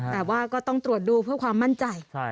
แต่ว่าก็ต้องตรวจดูเพื่อความมั่นใจ